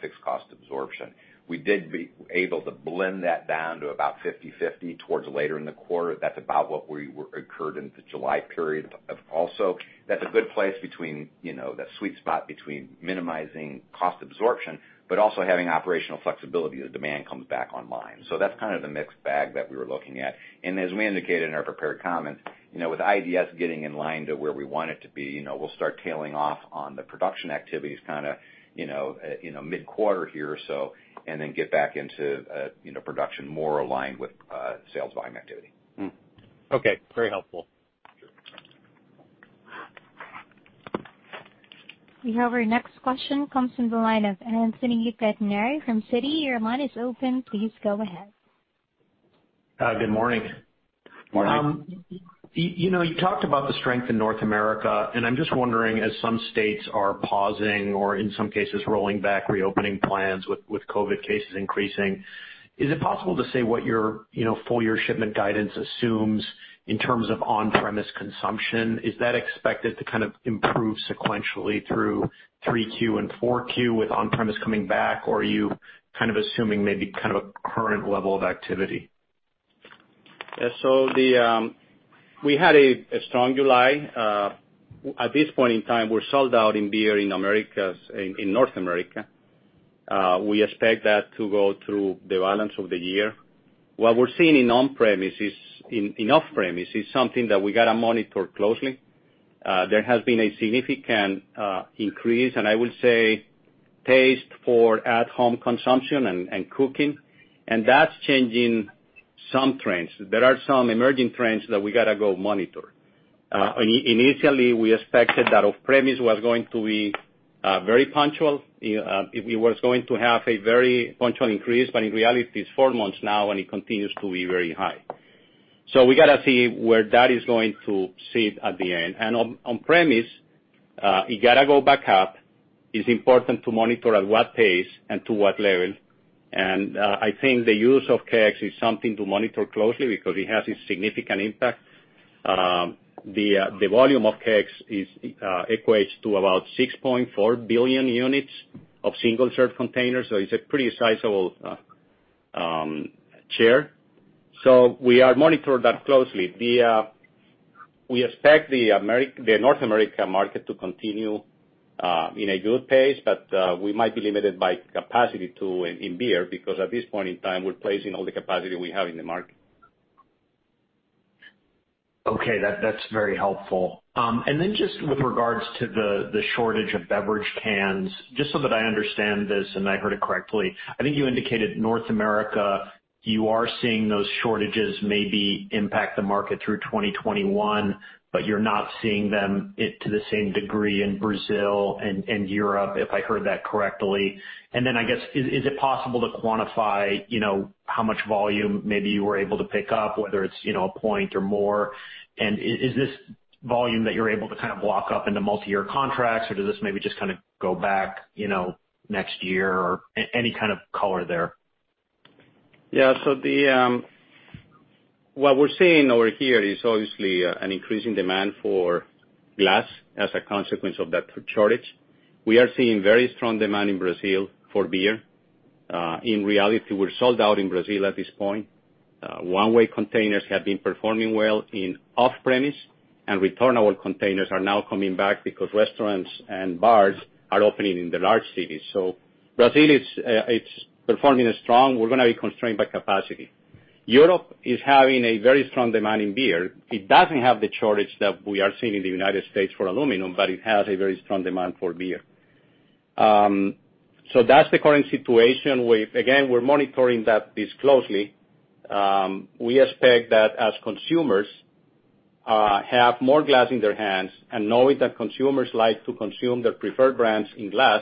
D: fixed cost absorption. We did able to blend that down to about 50/50 towards later in the quarter. That's about what occurred in the July period. That's a good place between that sweet spot between minimizing cost absorption, but also having operational flexibility as demand comes back online. That's kind of the mixed bag that we were looking at. As we indicated in our prepared comments, with IDS getting in line to where we want it to be, we'll start tailing off on the production activities kind of mid-quarter here or so, and then get back into production more aligned with sales volume activity.
I: Okay. Very helpful.
D: Sure.
A: We have our next question comes from the line of Anthony Pettinari from Citi. Your line is open. Please go ahead.
J: Good morning.
D: Morning.
J: You talked about the strength in North America. I'm just wondering, as some states are pausing or in some cases rolling back reopening plans with COVID cases increasing, is it possible to say what your full year shipment guidance assumes in terms of on-premise consumption? Is that expected to kind of improve sequentially through 3Q and 4Q with on-premise coming back, or are you kind of assuming maybe kind of a current level of activity?
C: We had a strong July. At this point in time, we're sold out in beer in North America. We expect that to go through the balance of the year. What we're seeing in off-premise is something that we got to monitor closely. There has been a significant increase, and I would say taste for at-home consumption and cooking. That's changing some trends. There are some emerging trends that we got to go monitor. Initially, we expected that off-premise was going to be very punctual. It was going to have a very punctual increase, but in reality, it's four months now, and it continues to be very high. We got to see where that is going to sit at the end. On-premise, it got to go back up. It's important to monitor at what pace and to what level. I think the use of kegs is something to monitor closely because it has a significant impact. The volume of kegs equates to about 6.4 billion units of single-serve containers, so it's a pretty sizable share. We are monitoring that closely. We expect the North America market to continue in a good pace, but we might be limited by capacity, too, in beer, because at this point in time, we're placing all the capacity we have in the market.
J: Okay, that's very helpful. Just with regards to the shortage of beverage cans, just so that I understand this and I heard it correctly, I think you indicated North America, you are seeing those shortages maybe impact the market through 2021, but you're not seeing them to the same degree in Brazil and Europe, if I heard that correctly. I guess, is it possible to quantify how much volume maybe you were able to pick up, whether it's a point or more? Is this volume that you're able to kind of lock up into multi-year contracts, or does this maybe just kind of go back next year? Or any kind of color there?
C: Yeah. What we're seeing over here is obviously an increasing demand for glass as a consequence of that shortage. We are seeing very strong demand in Brazil for beer. In reality, we're sold out in Brazil at this point. One-way containers have been performing well in off-premise, and returnable containers are now coming back because restaurants and bars are opening in the large cities. Brazil, it's performing strong. We're going to be constrained by capacity. Europe is having a very strong demand in beer. It doesn't have the shortage that we are seeing in the United States for aluminum, but it has a very strong demand for beer. That's the current situation with, again, we're monitoring this closely. We expect that as consumers have more glass in their hands and knowing that consumers like to consume their preferred brands in glass,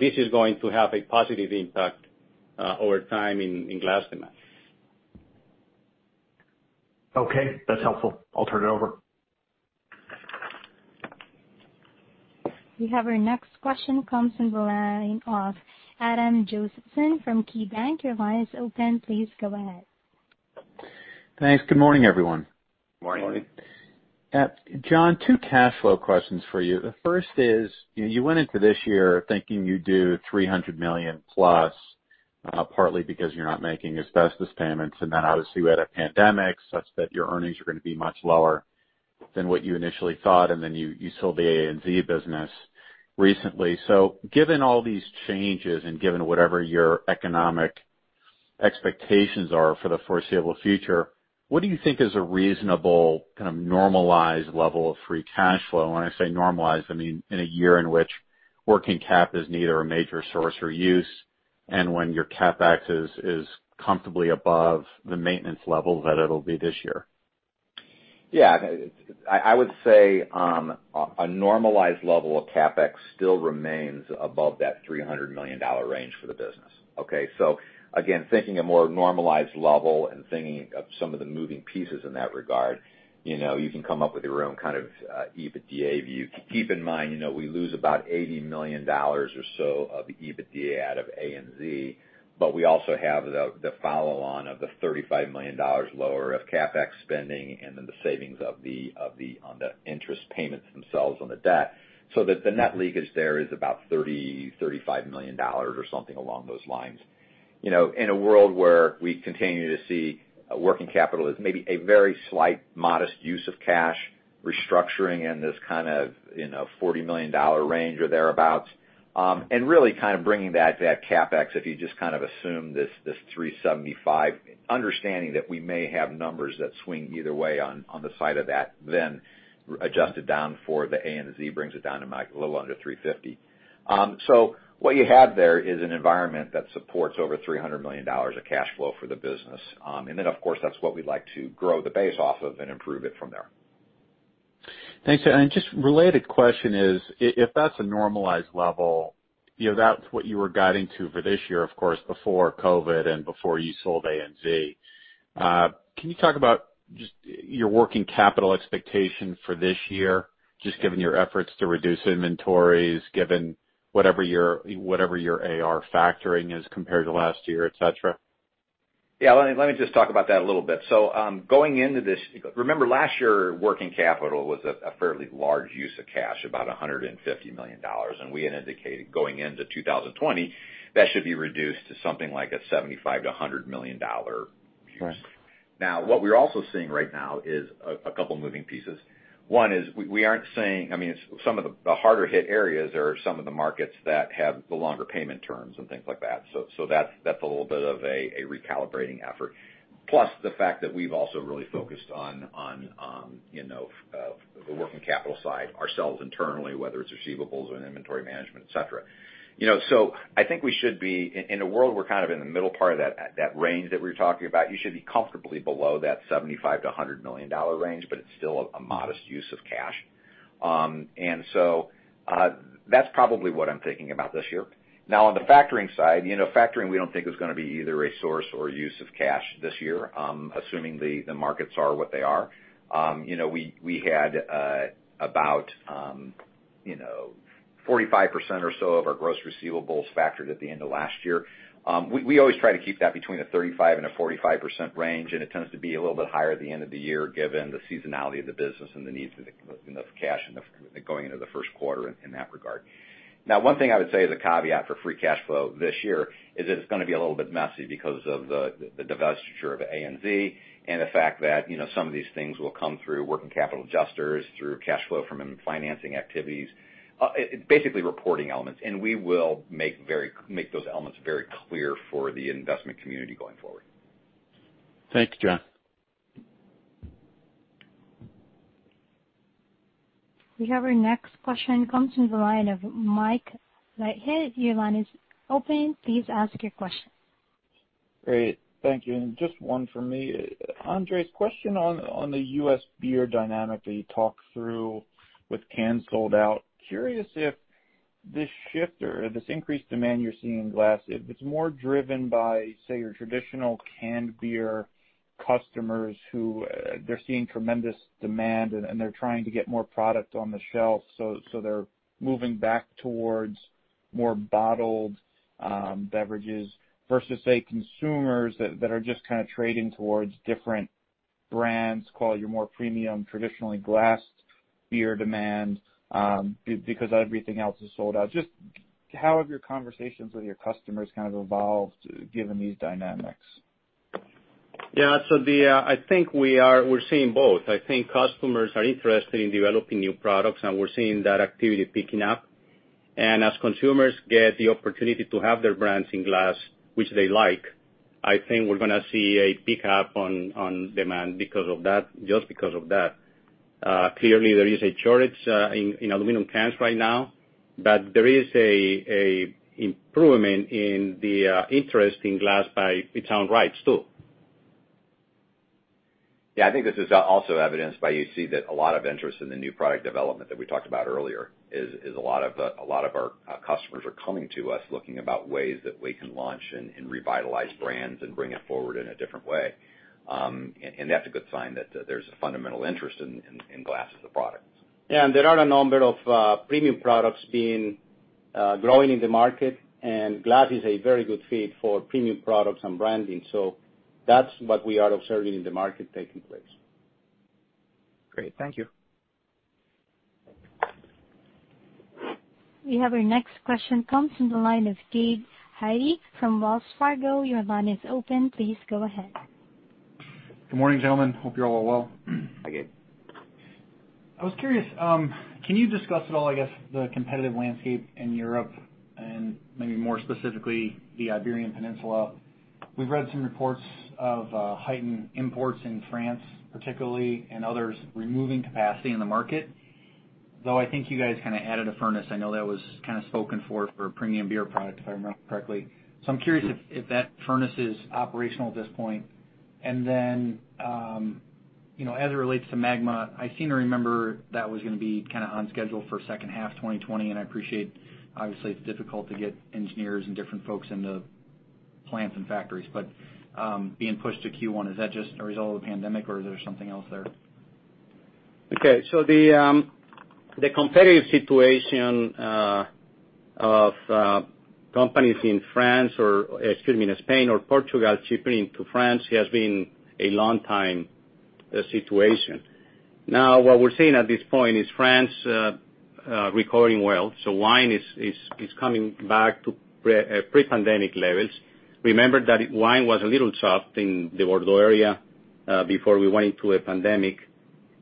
C: this is going to have a positive impact over time in glass demand.
J: Okay, that's helpful. I'll turn it over.
A: We have our next question comes in the line of Adam Josephson from KeyBank. Your line is open. Please go ahead.
K: Thanks. Good morning, everyone.
C: Morning.
D: Morning.
K: John, two cash flow questions for you. The first is, you went into this year thinking you'd do $300 million plus, partly because you're not making asbestos payments. Obviously, we had a pandemic such that your earnings are going to be much lower than what you initially thought, and then you sold the ANZ business recently. Given all these changes and given whatever your economic expectations are for the foreseeable future, what do you think is a reasonable kind of normalized level of free cash flow? When I say normalized, I mean in a year in which working cap is neither a major source or use, and when your CapEx is comfortably above the maintenance level that it'll be this year.
D: Yeah. I would say a normalized level of CapEx still remains above that $300 million range for the business, okay? Again, thinking a more normalized level and thinking of some of the moving pieces in that regard, you can come up with your own kind of EBITDA view. Keep in mind, we lose about $80 million or so of EBITDA out of ANZ, but we also have the follow on of the $35 million lower of CapEx spending, and then the savings on the interest payments themselves on the debt. That the net leakage there is about $30 million, $35 million, or something along those lines. In a world where we continue to see working capital as maybe a very slight modest use of cash restructuring in this kind of $40 million range or thereabout. Really kind of bringing that to that CapEx, if you just kind of assume this 375, understanding that we may have numbers that swing either way on the side of that, then adjusted down for the ANZ brings it down to a little under 350. What you have there is an environment that supports over $300 million of cash flow for the business. Of course, that's what we'd like to grow the base off of and improve it from there.
K: Thanks. Just related question is, if that's a normalized level, that's what you were guiding to for this year, of course, before COVID-19 and before you sold ANZ. Can you talk about just your working capital expectation for this year, just given your efforts to reduce inventories, given whatever your AR factoring is compared to last year, et cetera?
D: Yeah. Let me just talk about that a little bit. Going into this, remember last year, working capital was a fairly large use of cash, about $150 million. We had indicated going into 2020, that should be reduced to something like a $75 million-$100 million use.
K: Right.
D: What we're also seeing right now is a couple moving pieces. One is some of the harder hit areas are some of the markets that have the longer payment terms and things like that. That's a little bit of a recalibrating effort. Plus the fact that we've also really focused on the working capital side ourselves internally, whether it's receivables or inventory management, et cetera. I think we should be, in a world, we're kind of in the middle part of that range that we were talking about. You should be comfortably below that $75 million-$100 million range, but it's still a modest use of cash. That's probably what I'm thinking about this year. On the factoring side, factoring we don't think is going to be either a source or use of cash this year, assuming the markets are what they are. We had about 45% or so of our gross receivables factored at the end of last year. We always try to keep that between a 35%-45% range, and it tends to be a little bit higher at the end of the year given the seasonality of the business and the needs of cash going into the first quarter in that regard. One thing I would say as a caveat for free cash flow this year is that it's going to be a little bit messy because of the divestiture of ANZ and the fact that some of these things will come through working capital adjusters, through cash flow from financing activities, basically reporting elements. We will make those elements very clear for the investment community going forward.
K: Thanks, John.
A: We have our next question. Comes from the line of Mike Leithead. Your line is open. Please ask your question.
L: Great. Thank you. Just one for me. Andres, question on the U.S. beer dynamic that you talked through with cans sold out. Curious if this shift or this increased demand you're seeing in glass, if it's more driven by, say, your traditional canned beer customers who they're seeing tremendous demand and they're trying to get more product on the shelf, so they're moving back towards more bottled beverages, versus say, consumers that are just kind of trading towards different brands, call it your more premium, traditionally glassed beer demand, because everything else is sold out. Just how have your conversations with your customers kind of evolved given these dynamics?
C: Yeah. I think we're seeing both. I think customers are interested in developing new products, and we're seeing that activity picking up. As consumers get the opportunity to have their brands in glass, which they like, I think we're going to see a pickup on demand just because of that. Clearly there is a shortage in aluminum cans right now. There is a improvement in the interest in glass by return rates too.
D: Yeah. I think this is also evidenced by you see that a lot of interest in the new product development that we talked about earlier is a lot of our customers are coming to us looking about ways that we can launch and revitalize brands and bring it forward in a different way. That's a good sign that there's a fundamental interest in glass as a product.
C: Yeah. There are a number of premium products been growing in the market, and glass is a very good fit for premium products and branding. That's what we are observing in the market taking place.
L: Great. Thank you.
A: We have our next question, comes from the line of Gabe Hajde from Wells Fargo. Your line is open. Please go ahead.
M: Good morning, gentlemen. Hope you're all well.
C: Hi, Gabe.
M: I was curious, can you discuss at all, I guess, the competitive landscape in Europe and maybe more specifically, the Iberian Peninsula? We've read some reports of heightened imports in France particularly, and others removing capacity in the market. I think you guys kind of added a furnace. I know that was kind of spoken for premium beer product, if I remember correctly. I'm curious if that furnace is operational at this point. As it relates to MAGMA, I seem to remember that was going to be kind of on schedule for second half 2020, and I appreciate, obviously it's difficult to get engineers and different folks into plants and factories. Being pushed to Q1, is that just a result of the pandemic or is there something else there?
C: Okay. The competitive situation of companies in France or, excuse me, in Spain or Portugal shipping to France has been a long time situation. What we're seeing at this point is France recovering well. Wine is coming back to pre-pandemic levels. Remember that wine was a little soft in the Bordeaux area before we went into a pandemic.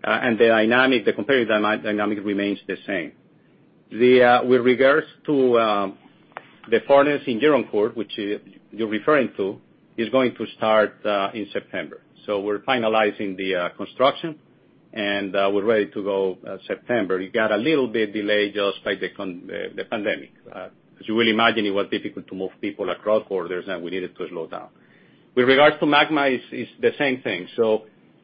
C: The competitive dynamic remains the same. With regards to the furnace in Gironcourt, which you're referring to, is going to start in September. We're finalizing the construction, and we're ready to go September. It got a little bit delayed just by the pandemic. As you will imagine, it was difficult to move people across borders, and we needed to slow down. With regards to MAGMA, it's the same thing.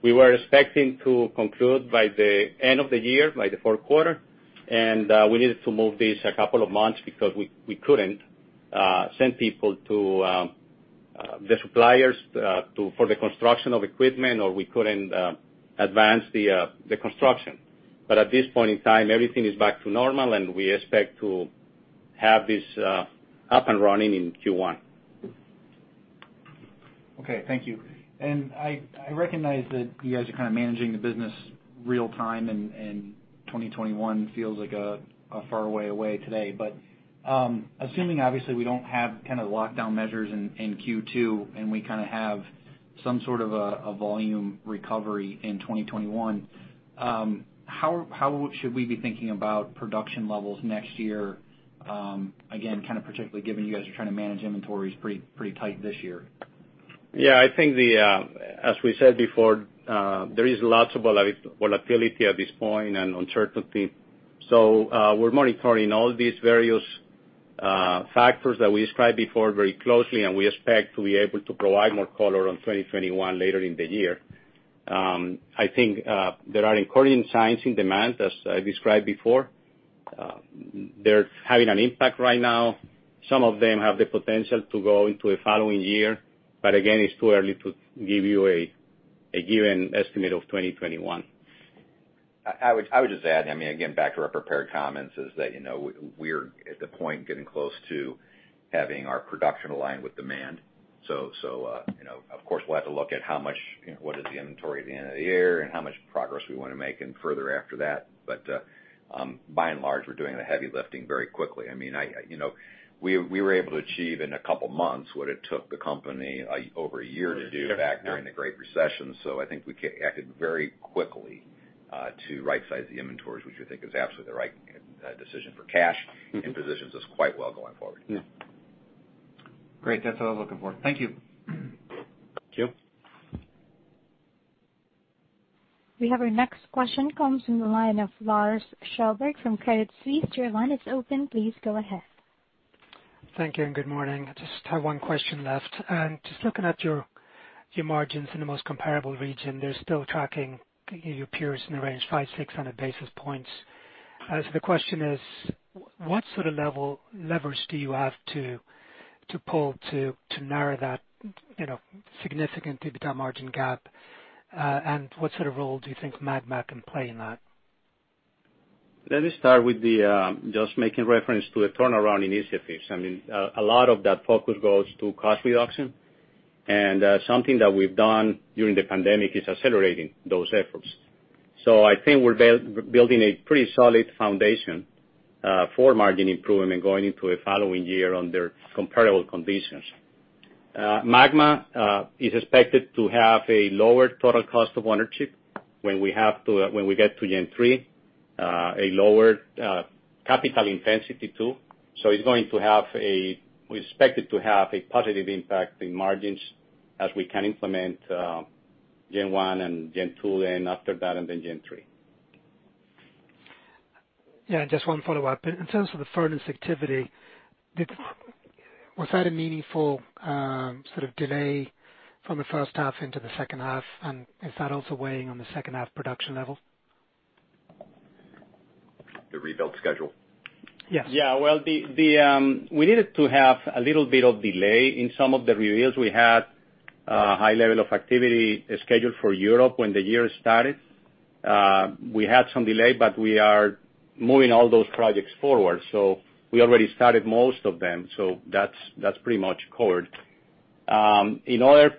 C: We were expecting to conclude by the end of the year, by the fourth quarter, and we needed to move this a couple of months because we couldn't send people to the suppliers for the construction of equipment or we couldn't advance the construction. At this point in time, everything is back to normal, and we expect to have this up and running in Q1.
M: Okay. Thank you. I recognize that you guys are kind of managing the business real time and 2021 feels like a far way away today. Assuming obviously we don't have kind of lockdown measures in Q2, and we kind of have some sort of a volume recovery in 2021, how should we be thinking about production levels next year? Again, kind of particularly given you guys are trying to manage inventories pretty tight this year.
C: Yeah, I think as we said before, there is lots of volatility at this point and uncertainty. We're monitoring all these various factors that we described before very closely, and we expect to be able to provide more color on 2021 later in the year. I think there are encouraging signs in demand as I described before. They're having an impact right now. Some of them have the potential to go into a following year, again, it's too early to give you a given estimate of 2021.
D: I would just add, I mean, again, back to our prepared comments is that we're at the point getting close to having our production aligned with demand. Of course we'll have to look at what is the inventory at the end of the year and how much progress we want to make and further after that. By and large, we're doing the heavy lifting very quickly. I mean, we were able to achieve in a couple of months what it took the company over a year to do back during the Great Recession. I think we acted very quickly to right-size the inventories, which we think is absolutely the right decision for cash and positions us quite well going forward.
M: Great. That's what I was looking for. Thank you.
C: Thank you.
A: We have our next question comes from the line of Lars Kjellberg from Credit Suisse. Your line is open. Please go ahead.
N: Thank you, and good morning. I just have one question left. Just looking at your margins in the most comparable region, they're still tracking your peers in the range 500-600 basis points. The question is, what sort of leverage do you have to pull to narrow that significant EBITDA margin gap? What sort of role do you think MAGMA can play in that?
C: Let me start with just making reference to the turnaround initiatives. A lot of that focus goes to cost reduction, and something that we've done during the pandemic is accelerating those efforts. I think we're building a pretty solid foundation for margin improvement going into a following year under comparable conditions. MAGMA is expected to have a lower total cost of ownership when we get to Gen 3. A lower capital intensity too. We expect it to have a positive impact in margins as we can implement Gen 1 and Gen 2, and after that, and then Gen 3.
N: Yeah, just one follow-up. In terms of the furnace activity, was that a meaningful sort of delay from the first half into the second half? Is that also weighing on the second half production level?
D: The rebuild schedule?
N: Yes.
C: Yeah. Well, we needed to have a little bit of delay in some of the rebuilds. We had a high level of activity scheduled for Europe when the year started. We had some delay, but we are moving all those projects forward, so we already started most of them. That's pretty much covered. In other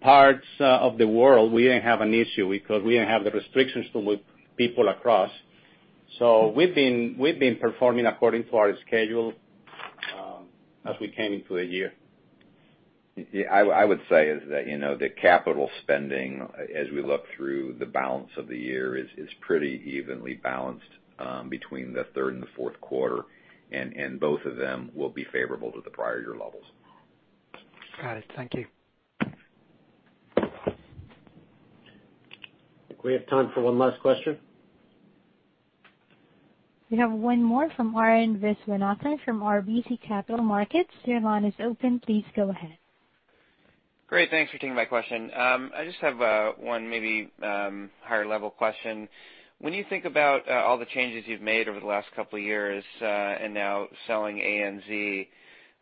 C: parts of the world, we didn't have an issue because we didn't have the restrictions to move people across. We've been performing according to our schedule as we came into the year.
D: I would say is that the capital spending, as we look through the balance of the year, is pretty evenly balanced between the third and the fourth quarter, and both of them will be favorable to the prior year levels.
N: Got it. Thank you.
B: I think we have time for one last question.
A: We have one more from Arun Viswanathan from RBC Capital Markets. Your line is open. Please go ahead.
O: Great. Thanks for taking my question. I just have one maybe higher level question. When you think about all the changes you've made over the last couple of years, and now selling ANZ,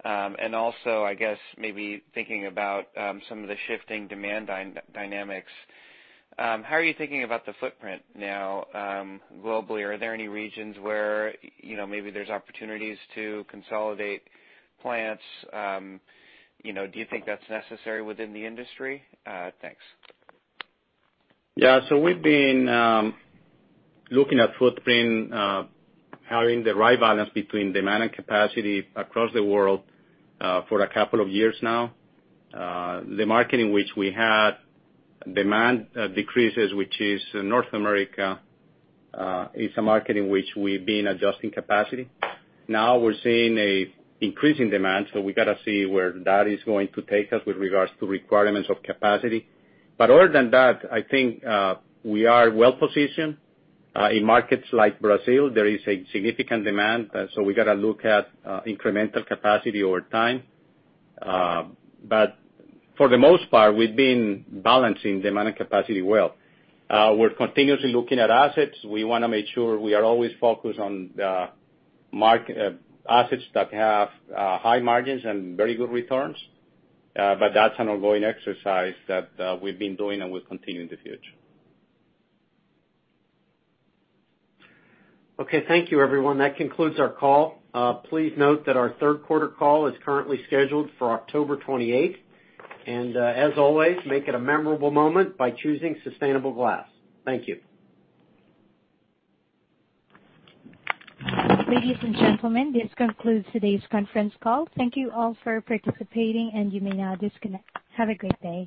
O: and also, I guess maybe thinking about some of the shifting demand dynamics, how are you thinking about the footprint now globally? Are there any regions where maybe there's opportunities to consolidate plants? Do you think that's necessary within the industry? Thanks.
C: Yeah. We've been looking at footprint, having the right balance between demand and capacity across the world for a couple of years now. The market in which we had demand decreases, which is North America, is a market in which we've been adjusting capacity. Now we're seeing an increasing demand, so we got to see where that is going to take us with regards to requirements of capacity. Other than that, I think we are well-positioned. In markets like Brazil, there is a significant demand, so we got to look at incremental capacity over time. For the most part, we've been balancing demand and capacity well. We're continuously looking at assets. We want to make sure we are always focused on assets that have high margins and very good returns. That's an ongoing exercise that we've been doing and will continue in the future.
B: Okay. Thank you, everyone. That concludes our call. Please note that our third quarter call is currently scheduled for October 28th. As always, make it a memorable moment by choosing sustainable glass. Thank you.
A: Ladies and gentlemen, this concludes today's conference call. Thank you all for participating, and you may now disconnect. Have a great day.